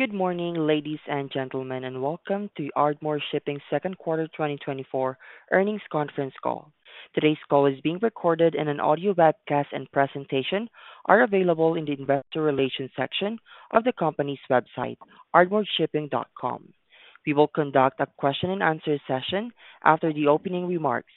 Good morning, ladies and gentlemen, and welcome to Ardmore Shipping Second Quarter 2024 Earnings Conference Call. Today's call is being recorded, and an audio webcast and presentation are available in the investor relations section of the company's website, ardmoreshipping.com. We will conduct a question-and-answer session after the opening remarks.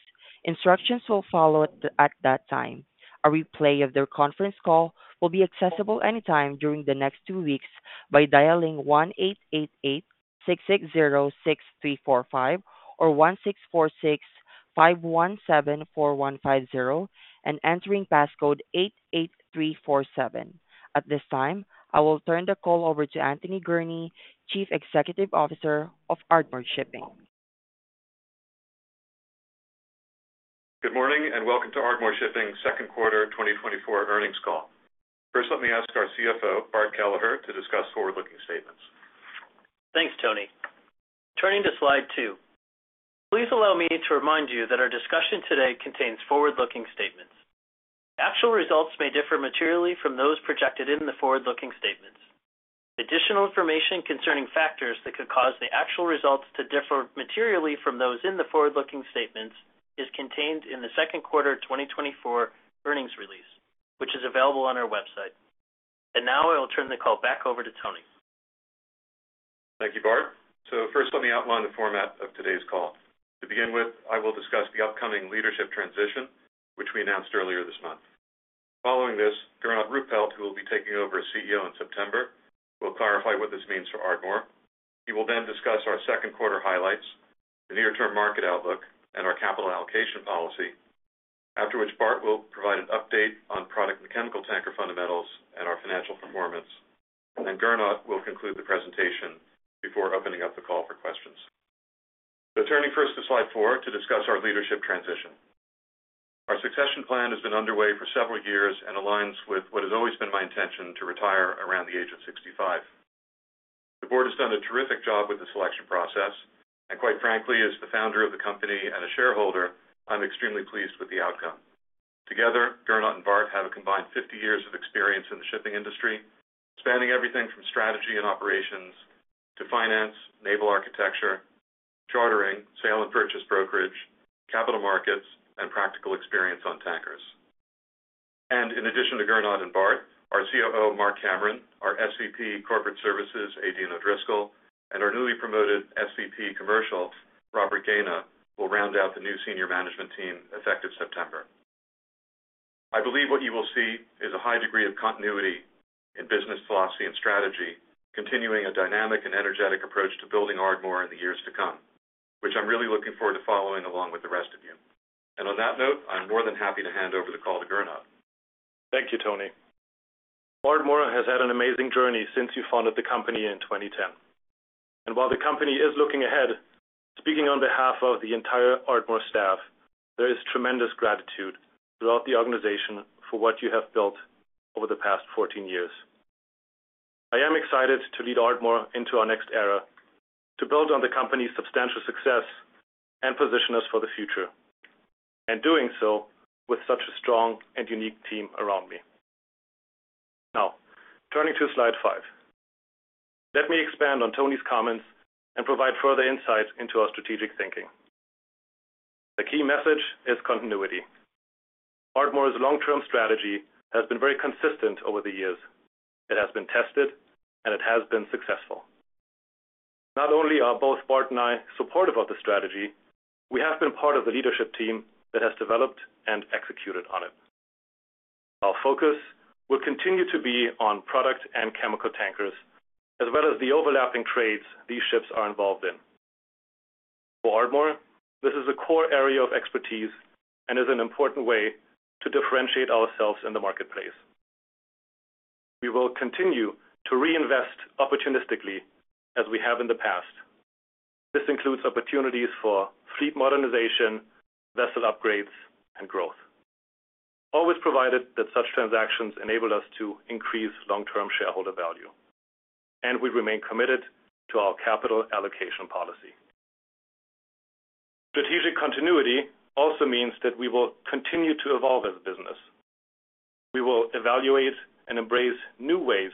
Instructions will follow at that time. A replay of the conference call will be accessible anytime during the next 2 weeks by dialing 1-888-866-06345 or 1-646-517-4150 and entering passcode 88347. At this time, I will turn the call over to Anthony Gurnee, Chief Executive Officer of Ardmore Shipping. Good morning, and welcome to Ardmore Shipping second quarter 2024 earnings call. First, let me ask our CFO, Bart Kelleher, to discuss forward-looking statements. Thanks, Tony. Turning to slide two. Please allow me to remind you that our discussion today contains forward-looking statements. Actual results may differ materially from those projected in the forward-looking statements. Additional information concerning factors that could cause the actual results to differ materially from those in the forward-looking statements is contained in the second quarter 2024 Earnings Release, which is available on our website. And now I will turn the call back over to Tony. Thank you, Bart. So first, let me outline the format of today's call. To begin with, I will discuss the upcoming leadership transition, which we announced earlier this month. Following this, Gernot Ruppelt, who will be taking over as CEO in September, will clarify what this means for Ardmore. He will then discuss our second quarter highlights, the near-term market outlook, and our capital allocation policy. After which, Bart will provide an update on product and chemical tanker fundamentals and our financial performance. And Gernot will conclude the presentation before opening up the call for questions. So turning first to slide four to discuss our leadership transition. Our succession plan has been underway for several years and aligns with what has always been my intention to retire around the age of 65. The board has done a terrific job with the selection process, and quite frankly, as the founder of the company and a shareholder, I'm extremely pleased with the outcome. Together, Gernot and Bart have a combined 50 years of experience in the shipping industry, spanning everything from strategy and operations to finance, naval architecture, chartering, sale and purchase brokerage, capital markets, and practical experience on tankers. In addition to Gernot and Bart, our COO, Mark Cameron, our SVP, Corporate Services, Aideen O'Driscoll, and our newly promoted SVP, Commercial, Robert Gaina, will round out the new senior management team, effective September. I believe what you will see is a high degree of continuity in business philosophy and strategy, continuing a dynamic and energetic approach to building Ardmore in the years to come, which I'm really looking forward to following along with the rest of you. On that note, I'm more than happy to hand over the call to Gernot. Thank you, Tony. Ardmore has had an amazing journey since you founded the company in 2010. While the company is looking ahead, speaking on behalf of the entire Ardmore staff, there is tremendous gratitude throughout the organization for what you have built over the past 14 years. I am excited to lead Ardmore into our next era, to build on the company's substantial success and position us for the future, and doing so with such a strong and unique team around me. Now, turning to slide five. Let me expand on Tony's comments and provide further insight into our strategic thinking. The key message is continuity. Ardmore's long-term strategy has been very consistent over the years. It has been tested, and it has been successful. Not only are both Bart and I supportive of the strategy, we have been part of the leadership team that has developed and executed on it. Our focus will continue to be on product and chemical tankers, as well as the overlapping trades these ships are involved in. For Ardmore, this is a core area of expertise and is an important way to differentiate ourselves in the marketplace. We will continue to reinvest opportunistically as we have in the past. This includes opportunities for fleet modernization, vessel upgrades, and growth. Always provided that such transactions enable us to increase long-term shareholder value, and we remain committed to our capital allocation policy. Strategic continuity also means that we will continue to evolve as a business. We will evaluate and embrace new ways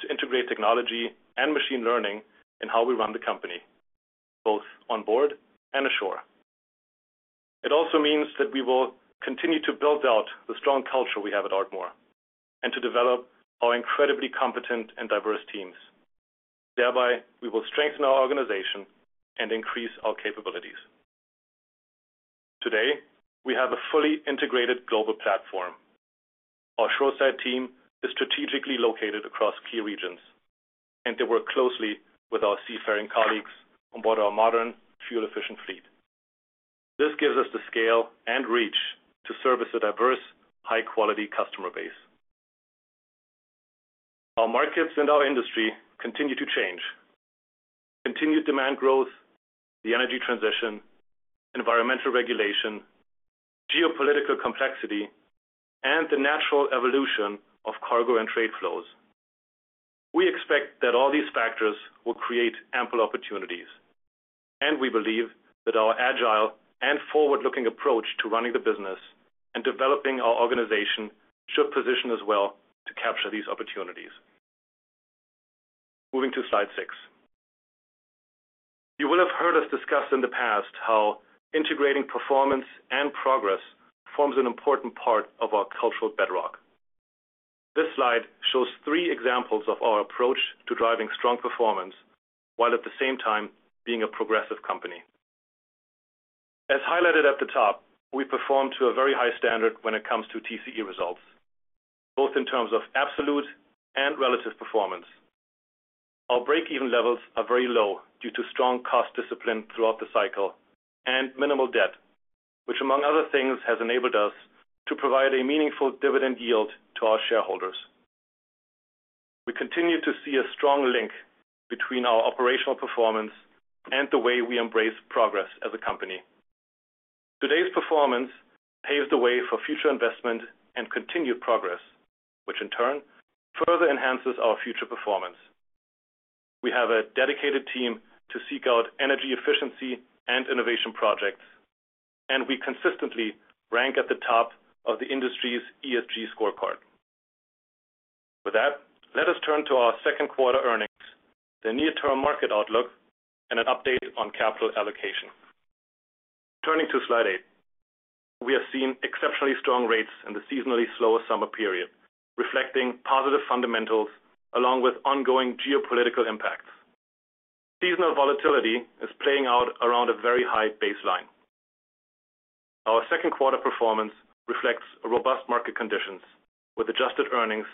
to integrate technology and machine learning in how we run the company, both on board and ashore. It also means that we will continue to build out the strong culture we have at Ardmore and to develop our incredibly competent and diverse teams. Thereby, we will strengthen our organization and increase our capabilities. Today, we have a fully integrated global platform. Our shoreside team is strategically located across key regions, and they work closely with our seafaring colleagues on board our modern, fuel-efficient fleet. This gives us the scale and reach to service a diverse, high-quality customer base. Our markets and our industry continue to change. Continued demand growth, the energy transition, environmental regulation, geopolitical complexity, and the natural evolution of cargo and trade flows. We expect that all these factors will create ample opportunities... and we believe that our agile and forward-looking approach to running the business and developing our organization should position us well to capture these opportunities. Moving to slide six. You will have heard us discuss in the past how integrating performance and progress forms an important part of our cultural bedrock. This slide shows three examples of our approach to driving strong performance, while at the same time, being a progressive company. As highlighted at the top, we perform to a very high standard when it comes to TCE results, both in terms of absolute and relative performance. Our break-even levels are very low due to strong cost discipline throughout the cycle and minimal debt, which, among other things, has enabled us to provide a meaningful dividend yield to our shareholders. We continue to see a strong link between our operational performance and the way we embrace progress as a company. Today's performance paves the way for future investment and continued progress, which in turn further enhances our future performance. We have a dedicated team to seek out energy efficiency and innovation projects, and we consistently rank at the top of the industry's ESG scorecard. With that, let us turn to our second quarter earnings, the near-term market outlook, and an update on capital allocation. Turning to slide 8. We have seen exceptionally strong rates in the seasonally slower summer period, reflecting positive fundamentals along with ongoing geopolitical impacts. Seasonal volatility is playing out around a very high baseline. Our second quarter performance reflects a robust market conditions, with adjusted earnings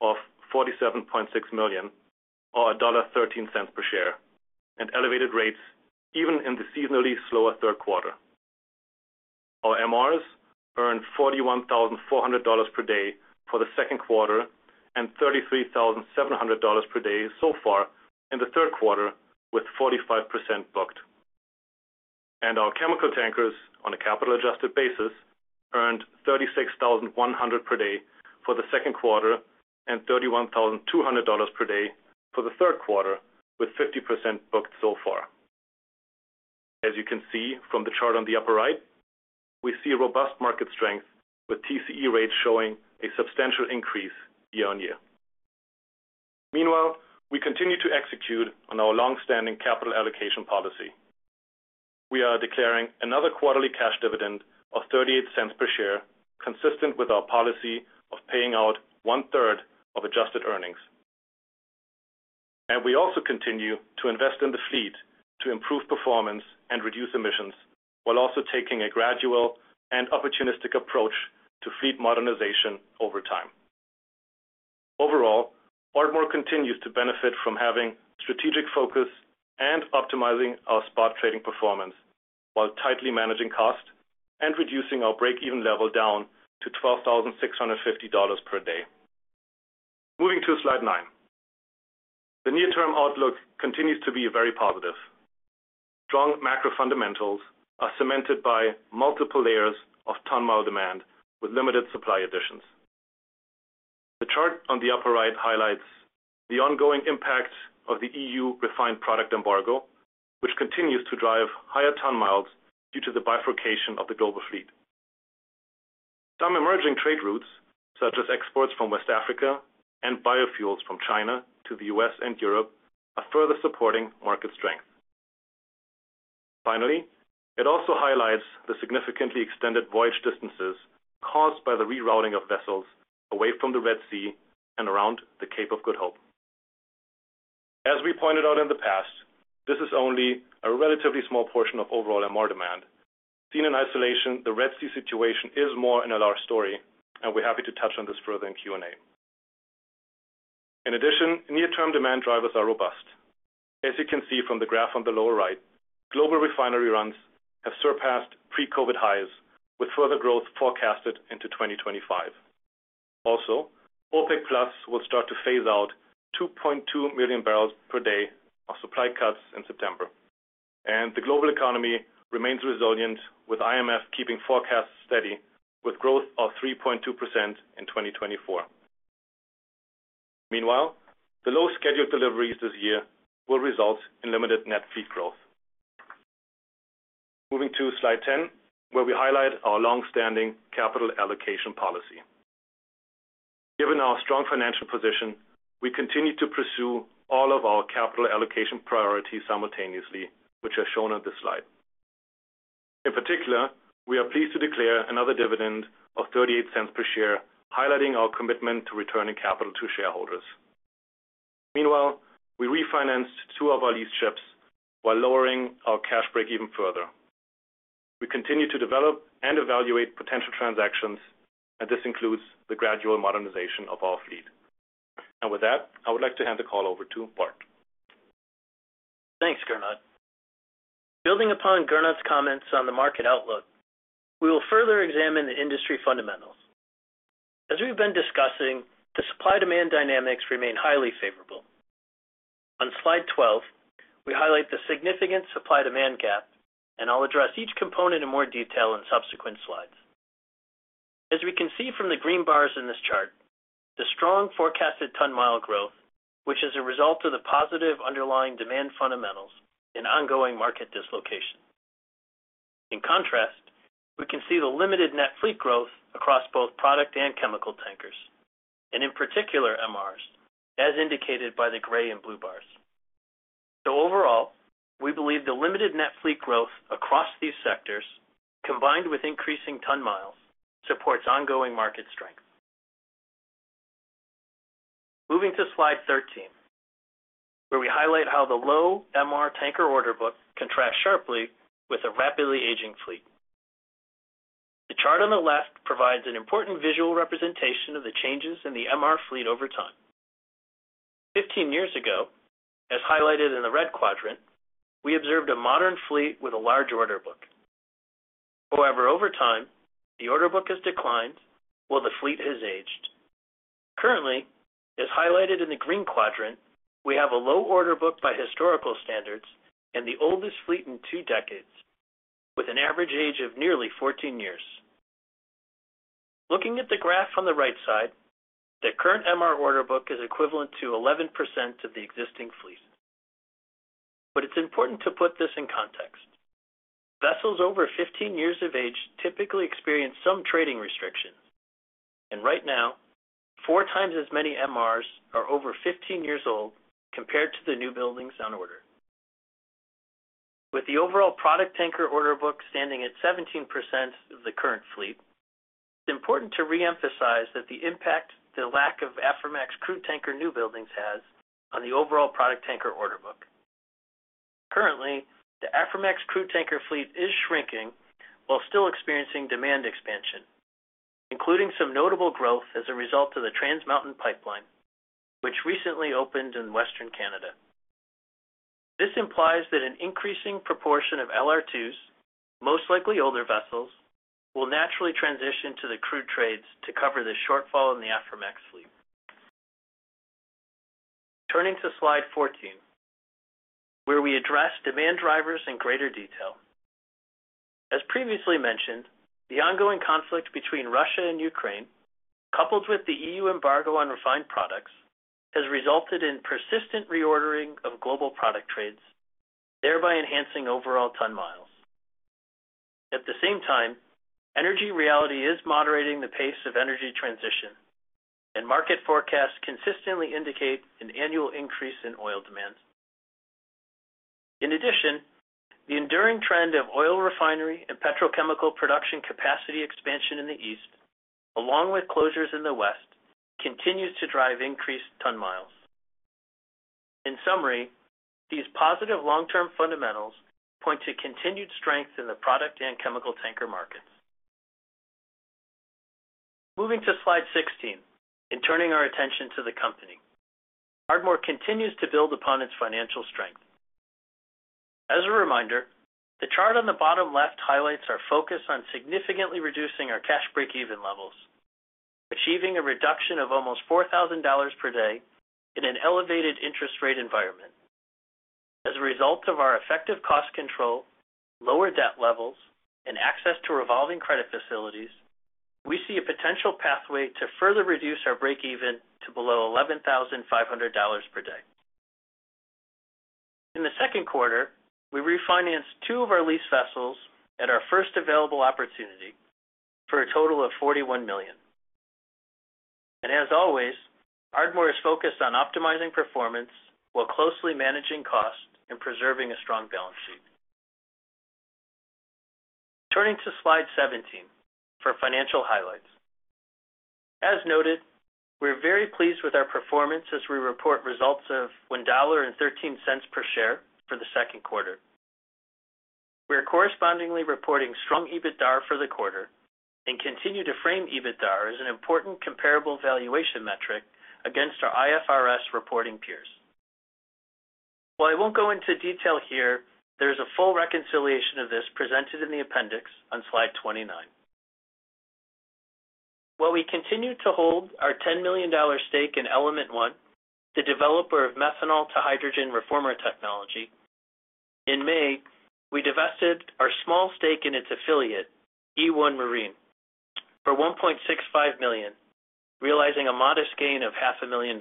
of $47.6 million, or $1.13 per share, and elevated rates even in the seasonally slower third quarter. Our MRs earned $41,400 per day for the second quarter, and $33,700 per day so far in the third quarter, with 45% booked. Our chemical tankers, on a capital-adjusted basis, earned 36,100 per day for the second quarter and $31,200 per day for the third quarter, with 50% booked so far. As you can see from the chart on the upper right, we see a robust market strength, with TCE rates showing a substantial increase year-on-year. Meanwhile, we continue to execute on our long-standing capital allocation policy. We are declaring another quarterly cash dividend of $0.38 per share, consistent with our policy of paying out one-third of adjusted earnings. We also continue to invest in the fleet to improve performance and reduce emissions, while also taking a gradual and opportunistic approach to fleet modernization over time. Overall, Ardmore continues to benefit from having strategic focus and optimizing our spot trading performance, while tightly managing costs and reducing our break-even level down to $12,650 per day. Moving to slide 9. The near-term outlook continues to be very positive. Strong macro fundamentals are cemented by multiple layers of ton mile demand with limited supply additions. The chart on the upper right highlights the ongoing impact of the EU refined product embargo, which continues to drive higher ton miles due to the bifurcation of the global fleet. Some emerging trade routes, such as exports from West Africa and biofuels from China to the U.S. and Europe, are further supporting market strength. Finally, it also highlights the significantly extended voyage distances caused by the rerouting of vessels away from the Red Sea and around the Cape of Good Hope. As we pointed out in the past, this is only a relatively small portion of overall MR demand. Seen in isolation, the Red Sea situation is more in a large story, and we're happy to touch on this further in Q&A. In addition, near-term demand drivers are robust. As you can see from the graph on the lower right, global refinery runs have surpassed pre-COVID highs, with further growth forecasted into 2025. Also, OPEC+ will start to phase out 2.2 million barrels per day of supply cuts in September, and the global economy remains resilient, with IMF keeping forecasts steady, with growth of 3.2% in 2024. Meanwhile, the low scheduled deliveries this year will result in limited net fleet growth. Moving to slide 10, where we highlight our long-standing capital allocation policy. Given our strong financial position, we continue to pursue all of our capital allocation priorities simultaneously, which are shown on this slide. In particular, we are pleased to declare another dividend of $0.38 per share, highlighting our commitment to returning capital to shareholders. Meanwhile, we refinanced two of our leased ships while lowering our cash breakeven further. We continue to develop and evaluate potential transactions, and this includes the gradual modernization of our fleet. With that, I would like to hand the call over to Bart. Thanks, Gernot. Building upon Gernot's comments on the market outlook, we will further examine the industry fundamentals. As we've been discussing, the supply-demand dynamics remain highly favorable. On slide 12, we highlight the significant supply-demand gap, and I'll address each component in more detail in subsequent slides. As we can see from the green bars in this chart, the strong forecasted ton mile growth, which is a result of the positive underlying demand fundamentals and ongoing market dislocation. In contrast, we can see the limited net fleet growth across both product and chemical tankers, and in particular, MRs, as indicated by the gray and blue bars. So overall, we believe the limited net fleet growth across these sectors, combined with increasing ton miles, supports ongoing market strength. Moving to slide 13, where we highlight how the low MR tanker order book contrasts sharply with a rapidly aging fleet. The chart on the left provides an important visual representation of the changes in the MR fleet over time. 15 years ago, as highlighted in the red quadrant, we observed a modern fleet with a large order book. However, over time, the order book has declined while the fleet has aged. Currently, as highlighted in the green quadrant, we have a low order book by historical standards and the oldest fleet in two decades, with an average age of nearly 14 years. Looking at the graph on the right side, the current MR order book is equivalent to 11% of the existing fleet. But it's important to put this in context. Vessels over 15 years of age typically experience some trading restrictions, and right now, four times as many MRs are over 15 years old compared to the new buildings on order. With the overall product tanker order book standing at 17% of the current fleet, it's important to reemphasize that the impact the lack of Aframax crude tanker new buildings has on the overall product tanker order book. Currently, the Aframax crude tanker fleet is shrinking while still experiencing demand expansion, including some notable growth as a result of the Trans Mountain Pipeline, which recently opened in Western Canada. This implies that an increasing proportion of LR2s, most likely older vessels, will naturally transition to the crude trades to cover the shortfall in the Aframax fleet. Turning to slide 14, where we address demand drivers in greater detail. As previously mentioned, the ongoing conflict between Russia and Ukraine, coupled with the EU embargo on refined products, has resulted in persistent reordering of global product trades, thereby enhancing overall ton miles. At the same time, energy reality is moderating the pace of energy transition, and market forecasts consistently indicate an annual increase in oil demand. In addition, the enduring trend of oil refinery and petrochemical production capacity expansion in the East, along with closures in the West, continues to drive increased ton miles. In summary, these positive long-term fundamentals point to continued strength in the product and chemical tanker markets. Moving to slide 16, and turning our attention to the company. Ardmore continues to build upon its financial strength. As a reminder, the chart on the bottom left highlights our focus on significantly reducing our cash breakeven levels, achieving a reduction of almost $4,000 per day in an elevated interest rate environment. As a result of our effective cost control, lower debt levels, and access to revolving credit facilities, we see a potential pathway to further reduce our breakeven to below $11,500 per day. In the second quarter, we refinanced two of our lease vessels at our first available opportunity for a total of $41 million. And as always, Ardmore is focused on optimizing performance while closely managing costs and preserving a strong balance sheet. Turning to slide 17, for financial highlights. As noted, we're very pleased with our performance as we report results of $1.13 per share for the second quarter. We are correspondingly reporting strong EBITDA for the quarter and continue to frame EBITDA as an important comparable valuation metric against our IFRS reporting peers. While I won't go into detail here, there is a full reconciliation of this presented in the appendix on slide 29. While we continue to hold our $10 million stake in Element 1, the developer of methanol to hydrogen reformer technology, in May, we divested our small stake in its affiliate, e1 Marine, for $1.65 million, realizing a modest gain of $500,000.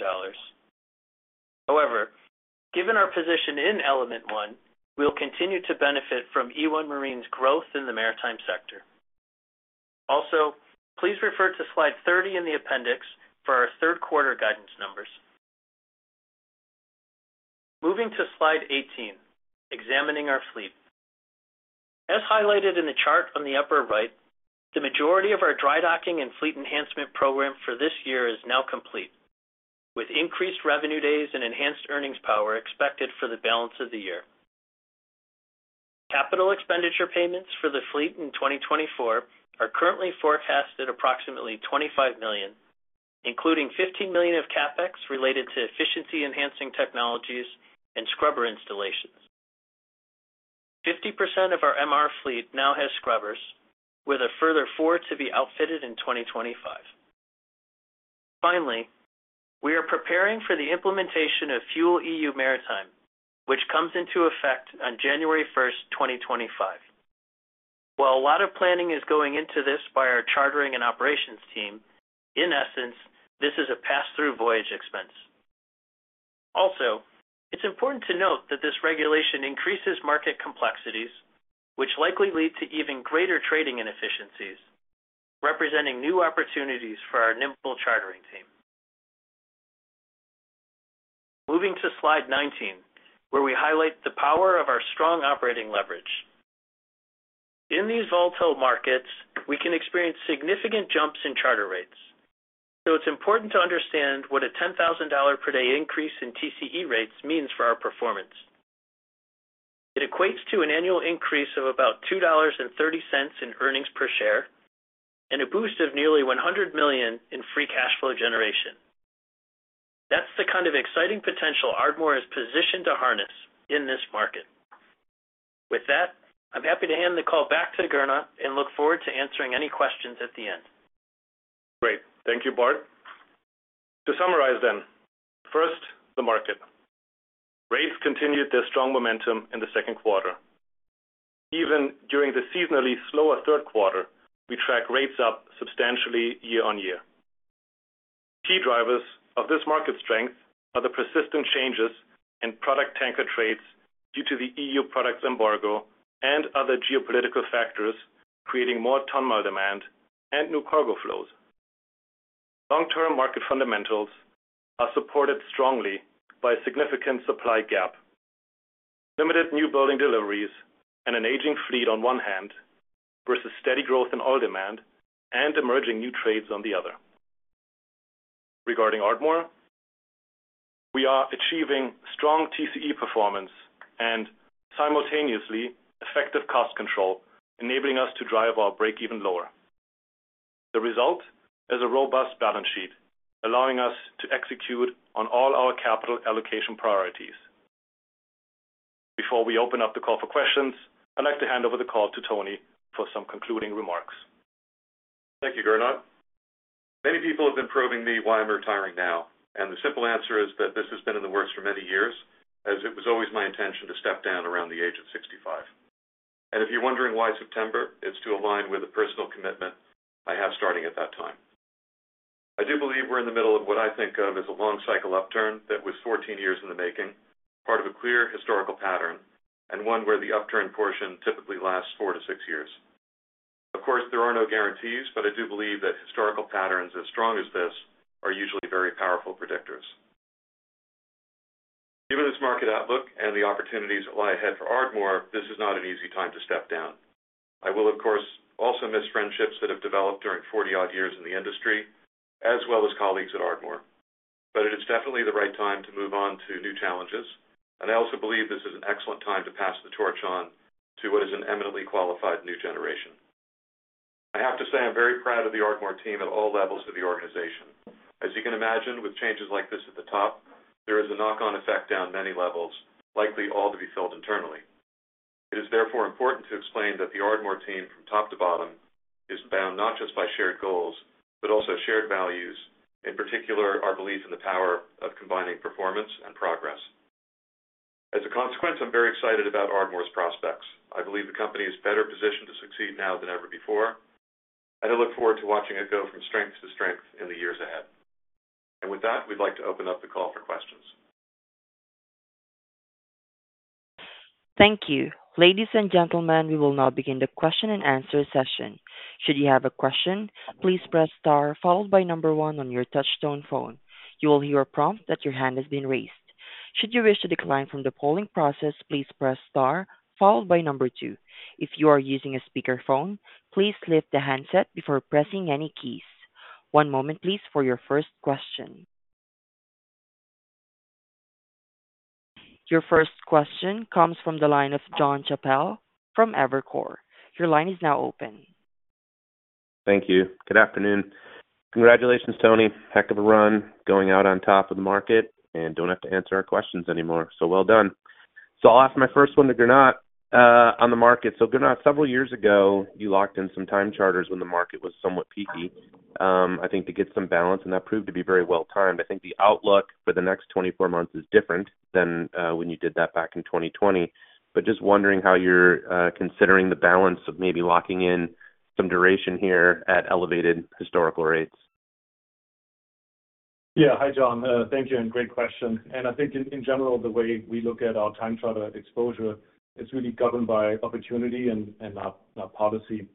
However, given our position in Element 1, we will continue to benefit from e1 Marine's growth in the maritime sector. Also, please refer to slide 30 in the appendix for our third quarter guidance numbers. Moving to slide 18, examining our fleet. As highlighted in the chart on the upper right, the majority of our dry docking and fleet enhancement program for this year is now complete, with increased revenue days and enhanced earnings power expected for the balance of the year. Capital expenditure payments for the fleet in 2024 are currently forecasted at approximately $25 million, including $15 million of CapEx related to efficiency-enhancing technologies and scrubber installations. 50% of our MR fleet now has scrubbers, with a further four to be outfitted in 2025. Finally, we are preparing for the implementation of FuelEU Maritime, which comes into effect on January 1, 2025. While a lot of planning is going into this by our chartering and operations team, in essence, this is a pass-through voyage expense. Also, it's important to note that this regulation increases market complexities, which likely lead to even greater trading inefficiencies, representing new opportunities for our nimble chartering team. Moving to slide 19, where we highlight the power of our strong operating leverage. In these volatile markets, we can experience significant jumps in charter rates, so it's important to understand what a $10,000 per day increase in TCE rates means for our performance. It equates to an annual increase of about $2.30 in earnings per share and a boost of nearly $100 million in free cash flow generation. That's the kind of exciting potential Ardmore is positioned to harness in this market. With that, I'm happy to hand the call back to Gernot and look forward to answering any questions at the end. Great. Thank you, Bart. To summarize then, first, the market. Rates continued their strong momentum in the second quarter. Even during the seasonally slower third quarter, we track rates up substantially year-over-year. Key drivers of this market strength are the persistent changes in product tanker trades due to the EU products embargo and other geopolitical factors, creating more ton mile demand and new cargo flows. Long-term market fundamentals are supported strongly by a significant supply gap, limited new building deliveries, and an aging fleet on one hand, versus steady growth in oil demand and emerging new trades on the other. Regarding Ardmore, we are achieving strong TCE performance and simultaneously effective cost control, enabling us to drive our break-even lower. The result is a robust balance sheet, allowing us to execute on all our capital allocation priorities. Before we open up the call for questions, I'd like to hand over the call to Tony for some concluding remarks. Thank you, Gernot. Many people have been probing me why I'm retiring now, and the simple answer is that this has been in the works for many years, as it was always my intention to step down around the age of 65. If you're wondering why September, it's to align with a personal commitment I have starting at that time. I do believe we're in the middle of what I think of as a long cycle upturn that was 14 years in the making, part of a clear historical pattern, and one where the upturn portion typically lasts 4-6 years. Of course, there are no guarantees, but I do believe that historical patterns as strong as this are usually very powerful predictors. Given this market outlook and the opportunities that lie ahead for Ardmore, this is not an easy time to step down. I will, of course, also miss friendships that have developed during 40-odd years in the industry, as well as colleagues at Ardmore. But it is definitely the right time to move on to new challenges, and I also believe this is an excellent time to pass the torch on to what is an eminently qualified new generation. I have to say, I'm very proud of the Ardmore team at all levels of the organization. As you can imagine, with changes like this at the top, there is a knock-on effect down many levels, likely all to be filled internally. It is therefore important to explain that the Ardmore team, from top to bottom, is bound not just by shared goals, but also shared values, in particular, our belief in the power of combining performance and progress. As a consequence, I'm very excited about Ardmore's prospects. I believe the company is better positioned to succeed now than ever before, and I look forward to watching it go from strength to strength in the years ahead. With that, we'd like to open up the call for questions. Thank you. Ladies and gentlemen, we will now begin the question-and-answer session. Should you have a question, please press star, followed by number one on your touchtone phone. You will hear a prompt that your hand has been raised. Should you wish to decline from the polling process, please press star, followed by number two. If you are using a speakerphone, please lift the handset before pressing any keys. One moment, please, for your first question. Your first question comes from the line of John Chappell from Evercore. Your line is now open. Thank you. Good afternoon. Congratulations, Tony. Heck of a run, going out on top of the market and don't have to answer our questions anymore, so well done. I'll ask my first one to Gernot on the market. Gernot, several years ago, you locked in some time charters when the market was somewhat peaky, I think to get some balance, and that proved to be very well timed. I think the outlook for the next 24 months is different than when you did that back in 2020. But just wondering how you're considering the balance of maybe locking in some duration here at elevated historical rates. Yeah. Hi, John. Thank you and great question. I think in general, the way we look at our time charter exposure is really governed by opportunity and our policy.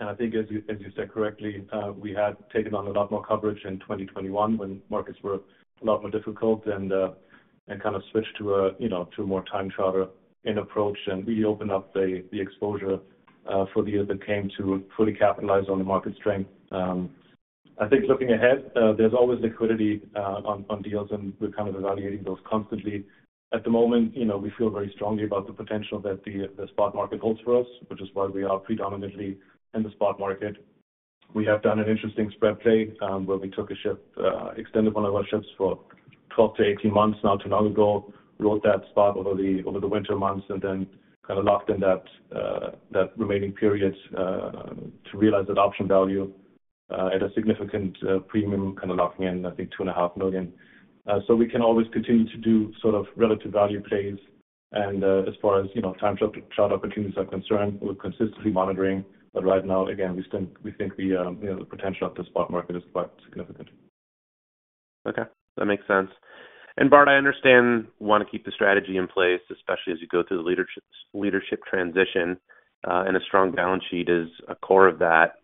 I think as you said correctly, we had taken on a lot more coverage in 2021 when markets were a lot more difficult and kind of switched to a, you know, to a more time charter in approach, and we opened up the exposure for the year that came to fully capitalize on the market strength. I think looking ahead, there's always liquidity on deals, and we're kind of evaluating those constantly. At the moment, you know, we feel very strongly about the potential that the spot market holds for us, which is why we are predominantly in the spot market. We have done an interesting spread play, where we took a ship, extended one of our ships for-... 12-18 months now, 2 months ago, fixed that spot over the winter months and then kind of locked in that remaining period to realize that option value at a significant premium, kind of locking in, I think, $2.5 million. So we can always continue to do sort of relative value plays. And, as far as, you know, time charter opportunities are concerned, we're consistently monitoring. But right now, again, we think the, you know, the potential of the spot market is quite significant. Okay, that makes sense. And Bart, I understand you want to keep the strategy in place, especially as you go through the leadership transition, and a strong balance sheet is a core of that.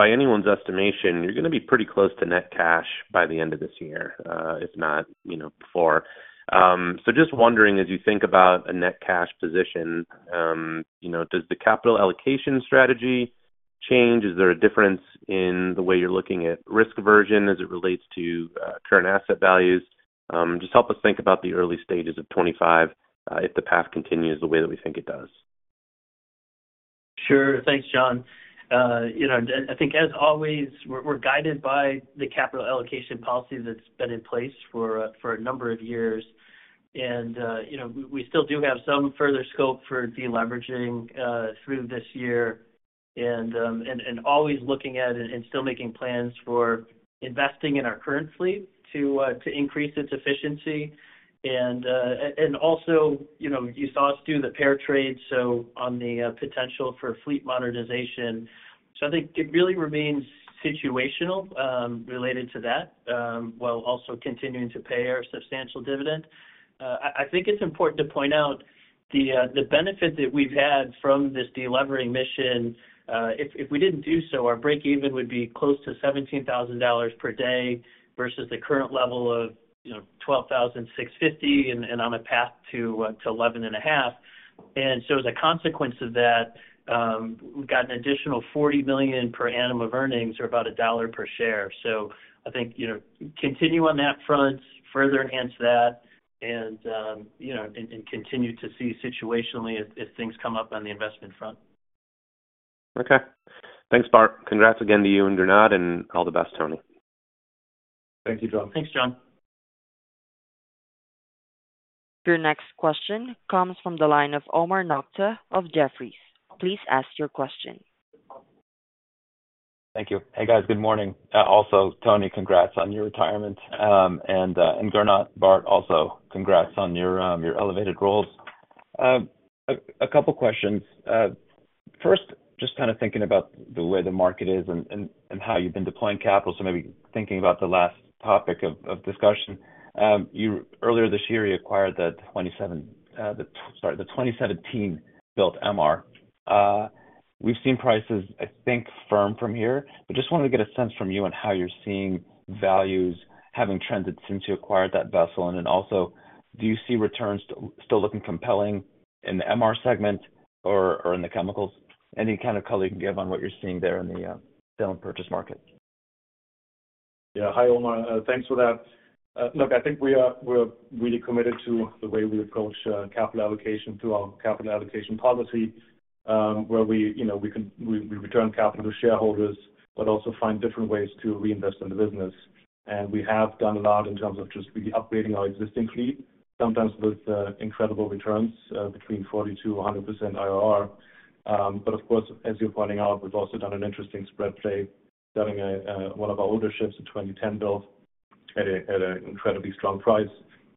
By anyone's estimation, you're going to be pretty close to net cash by the end of this year, if not, you know, before. So just wondering, as you think about a net cash position, you know, does the capital allocation strategy change? Is there a difference in the way you're looking at risk aversion as it relates to current asset values? Just help us think about the early stages of 2025, if the path continues the way that we think it does. Sure. Thanks, John. You know, I think as always, we're guided by the capital allocation policy that's been in place for a number of years. And you know, we still do have some further scope for deleveraging through this year. And always looking at it and still making plans for investing in our current fleet to increase its efficiency. And also, you know, you saw us do the pair trade, so on the potential for fleet modernization. So I think it really remains situational related to that while also continuing to pay our substantial dividend. I think it's important to point out the benefit that we've had from this delevering mission. If we didn't do so, our breakeven would be close to $17,000 per day versus the current level of, you know, $12,650, and on a path to 11.5. So as a consequence of that, we've got an additional $40 million per annum of earnings, or about $1 per share. So I think, you know, continue on that front, further enhance that, and continue to see situationally if things come up on the investment front. Okay. Thanks, Bart. Congrats again to you and Gernot, and all the best, Tony. Thank you, John. Thanks, John. Your next question comes from the line of Omar Nokta of Jefferies. Please ask your question. Thank you. Hey, guys, good morning. Also, Tony, congrats on your retirement, and Gernot, Bart, also, congrats on your elevated roles. A couple questions. First, just kind of thinking about the way the market is and how you've been deploying capital. So maybe thinking about the last topic of discussion. You earlier this year acquired the 2017-built MR. We've seen prices, I think, firm from here, but just wanted to get a sense from you on how you're seeing values having trended since you acquired that vessel. And then also, do you see returns still looking compelling in the MR segment or in the chemicals? Any kind of color you can give on what you're seeing there in the sale and purchase market. Yeah. Hi, Omar. Thanks for that. Look, I think we are, we're really committed to the way we approach capital allocation through our capital allocation policy, where we, you know, we can we return capital to shareholders, but also find different ways to reinvest in the business. And we have done a lot in terms of just really upgrading our existing fleet, sometimes with incredible returns between 40%-100% IRR. But of course, as you're pointing out, we've also done an interesting spread play, selling one of our older ships in 2010 build at an incredibly strong price.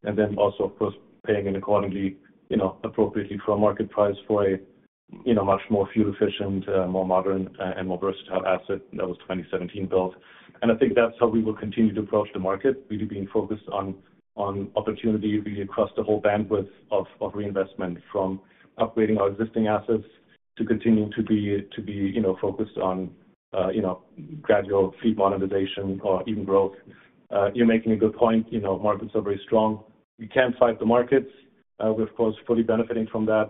And then also, of course, paying in accordingly, you know, appropriately for a market price for a, you know, much more fuel efficient, more modern, and more versatile asset that was 2017 build. I think that's how we will continue to approach the market, really being focused on opportunity really across the whole bandwidth of reinvestment, from upgrading our existing assets to continuing to be, you know, focused on, you know, gradual fleet monetization or even growth. You're making a good point, you know, markets are very strong. We can't fight the markets. We're, of course, fully benefiting from that,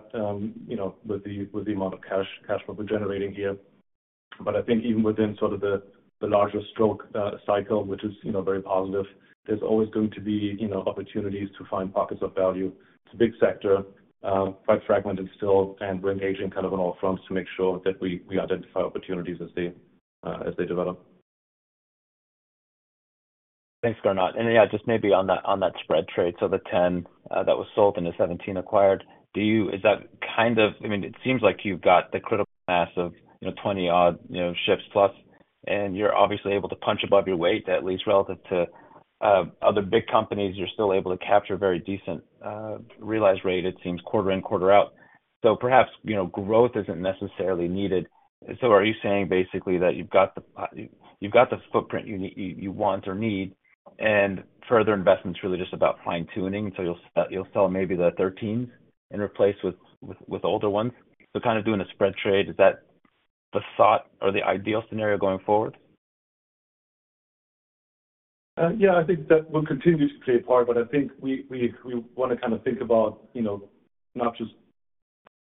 you know, with the amount of cash, cash flow we're generating here. But I think even within sort of the larger stroke, cycle, which is, you know, very positive, there's always going to be, you know, opportunities to find pockets of value. It's a big sector, quite fragmented still, and we're engaging kind of on all fronts to make sure that we identify opportunities as they develop. Thanks, Gernot. And, yeah, just maybe on that, on that spread trade, so the 10 that was sold and the 17 acquired, is that kind of... I mean, it seems like you've got the critical mass of, you know, 20-odd, you know, ships plus, and you're obviously able to punch above your weight, at least relative to other big companies. You're still able to capture very decent realized rate, it seems, quarter in, quarter out. So perhaps, you know, growth isn't necessarily needed. So are you saying basically that you've got the, you've got the footprint you want or need, and further investment's really just about fine-tuning, so you'll sell maybe the 13s and replace with older ones? So kind of doing a spread trade, is that the thought or the ideal scenario going forward? Yeah, I think that will continue to play a part, but I think we want to kind of think about, you know, not just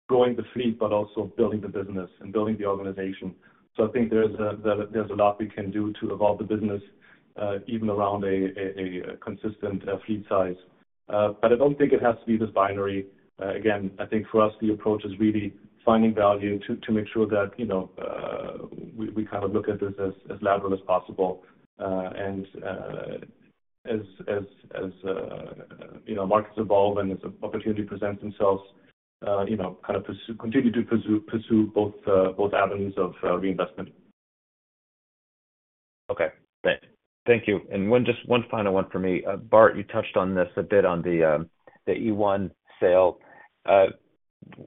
growing the fleet, but also building the business and building the organization. So I think there's a lot we can do to evolve the business, even around a consistent fleet size. But I don't think it has to be this binary. Again, I think for us, the approach is really finding value to make sure that, you know, we kind of look at this as lateral as possible. And as markets evolve and as opportunity presents themselves, you know, kind of pursue, continue to pursue both avenues of reinvestment. Okay, great. Thank you. And one, just one final one for me. Bart, you touched on this a bit on the, the e1 sale.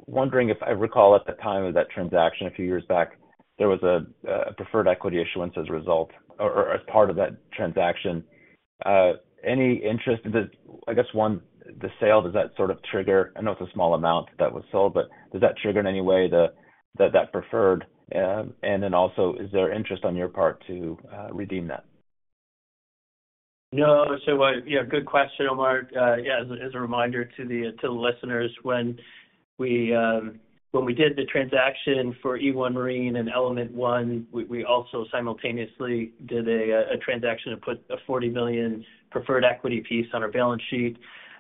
Wondering if I recall at the time of that transaction a few years back, there was a, a preferred equity issuance as a result or, or as part of that transaction. Any interest—does—I guess, one, the sale, does that sort of trigger... I know it's a small amount that was sold, but does that trigger in any way the, that, that preferred? And then also, is there interest on your part to, redeem that? No. So, yeah, good question, Omar. Yeah, as a reminder to the listeners, when we did the transaction for e1 Marine and Element 1, we also simultaneously did a transaction to put a $40 million preferred equity piece on our balance sheet.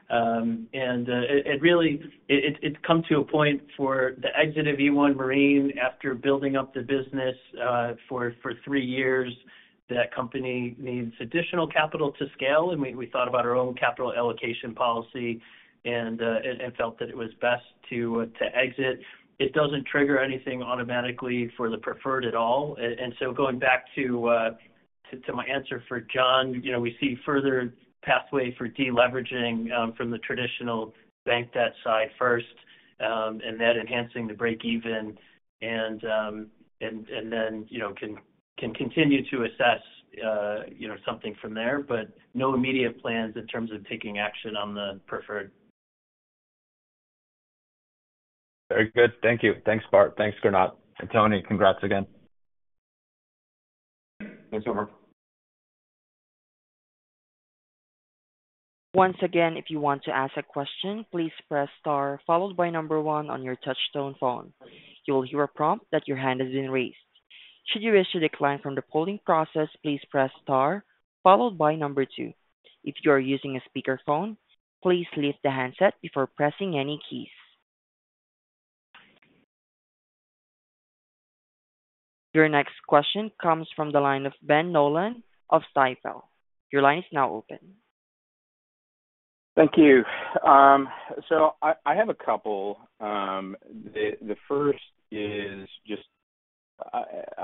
And, it really, it's come to a point for the exit of e1 Marine after building up the business, for three years. That company needs additional capital to scale, and we thought about our own capital allocation policy and felt that it was best to exit. It doesn't trigger anything automatically for the preferred at all. Going back to my answer for John, you know, we see further pathway for deleveraging from the traditional bank debt side first, and then enhancing the breakeven, and then, you know, can continue to assess, you know, something from there, but no immediate plans in terms of taking action on the preferred. Very good. Thank you. Thanks, Bart. Thanks, Gernot. And Tony, congrats again. Thanks, Omar. Once again, if you want to ask a question, please press star, followed by number one on your touchtone phone. You will hear a prompt that your hand has been raised. Should you wish to decline from the polling process, please press star followed by number two. If you are using a speakerphone, please lift the handset before pressing any keys. Your next question comes from the line of Ben Nolan of Stifel. Your line is now open. Thank you. So I have a couple. The first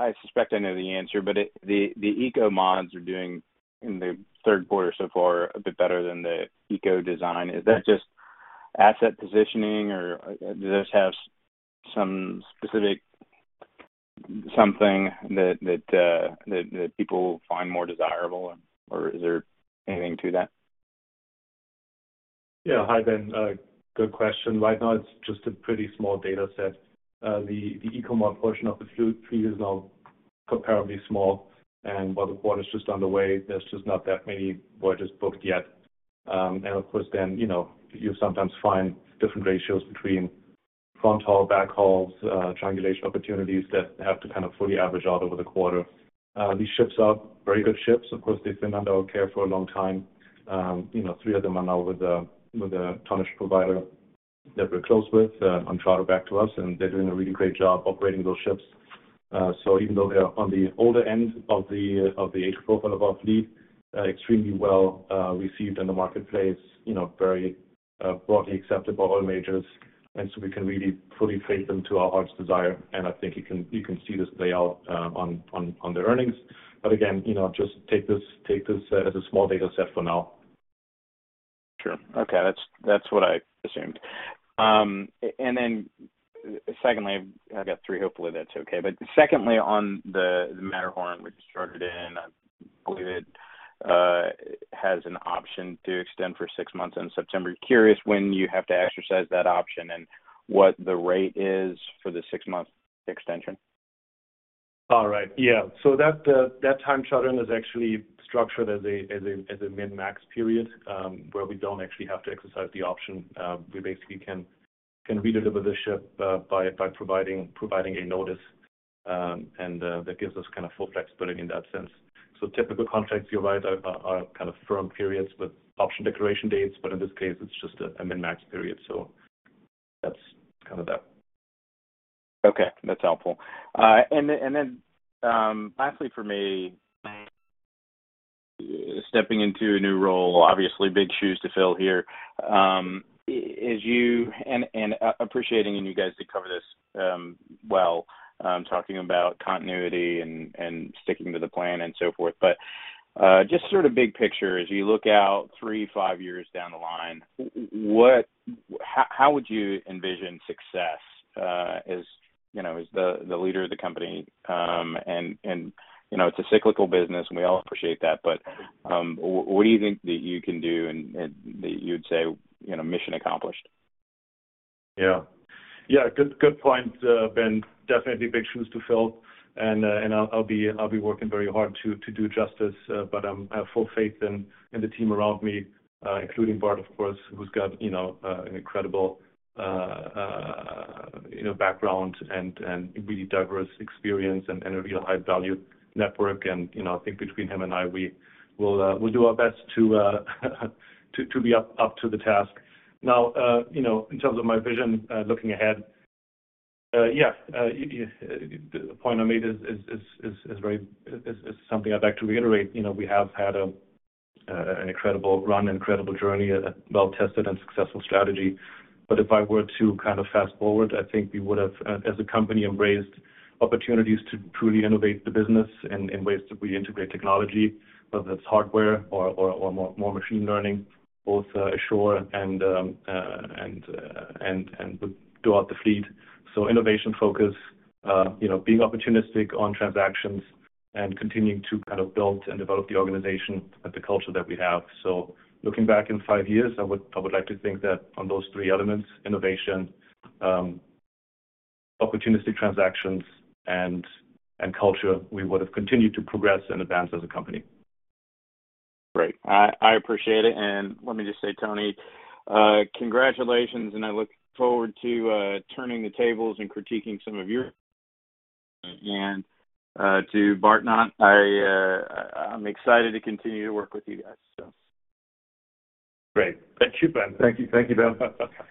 is just I suspect I know the answer, but it... The Eco mods are doing, in the third quarter so far, a bit better than the Eco design. Is that just asset positioning, or does this have some specific something that people find more desirable, or is there anything to that? Yeah. Hi, Ben. Good question. Right now, it's just a pretty small data set. The Eco mod portion of the fleet is now comparatively small, and while the quarter's just on the way, there's just not that many voyages booked yet. And of course then, you know, you sometimes find different ratios between front haul, back hauls, triangulation opportunities that have to kind of fully average out over the quarter. These ships are very good ships. Of course, they've been under our care for a long time. You know, three of them are now with a tonnage provider that we're close with, on charter back to us, and they're doing a really great job operating those ships. So even though they are on the older end of the age profile of our fleet, extremely well received in the marketplace, you know, very broadly accepted by all majors, and so we can really fully trade them to our heart's desire, and I think you can see this play out on the earnings. But again, you know, just take this as a small data set for now. Sure. Okay. That's, that's what I assumed. And then secondly, I've got three, hopefully that's okay. But secondly, on the Matterhorn, which started in, I believe it, has an option to extend for six months in September. Curious when you have to exercise that option and what the rate is for the six-month extension. All right. Yeah. So that, that time charter is actually structured as a min-max period, where we don't actually have to exercise the option. We basically can redeliver the ship by providing a notice, and that gives us kind of full flexibility in that sense. So typical contracts you write are kind of firm periods with option declaration dates, but in this case, it's just a min-max period, so that's kind of that. Okay, that's helpful. And then, lastly for me, stepping into a new role, obviously big shoes to fill here. As you... And, appreciating you guys to cover this, well, talking about continuity and sticking to the plan and so forth. But just sort of big picture, as you look out three, five years down the line, what, how would you envision success, as you know, as the leader of the company? And you know, it's a cyclical business, and we all appreciate that, but what do you think that you can do and that you'd say, you know, mission accomplished? Yeah. Yeah, good, good point, Ben. Definitely big shoes to fill, and I'll be working very hard to do justice, but I have full faith in the team around me, including Bart, of course, who's got, you know, an incredible, you know, background and really diverse experience and a really high-value network. And, you know, I think between him and I, we will, we'll do our best to be up to the task. Now, you know, in terms of my vision, looking ahead, yeah, the point I made is something I'd like to reiterate. You know, we have had an incredible run, an incredible journey and a well-tested and successful strategy. But if I were to kind of fast-forward, I think we would have, as a company, embraced opportunities to truly innovate the business and ways that we integrate technology, whether it's hardware or more machine learning, both ashore and throughout the fleet. So innovation focus, you know, being opportunistic on transactions and continuing to kind of build and develop the organization and the culture that we have. So looking back in five years, I would like to think that on those three elements, innovation, opportunistic transactions, and culture, we would have continued to progress and advance as a company. Great. I appreciate it. And let me just say, Tony, congratulations, and I look forward to turning the tables and critiquing some of your... And to Bart Kelleher, I’m excited to continue to work with you guys, so. Great. Thank you, Ben. Thank you. Thank you, Ben.